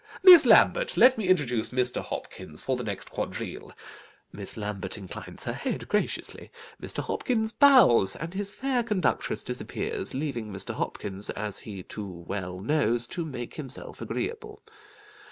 'Miss Lambert, let me introduce Mr. Hopkins for the next quadrille.' Miss Lambert inclines her head graciously. Mr. Hopkins bows, and his fair conductress disappears, leaving Mr. Hopkins, as he too well knows, to make himself agreeable.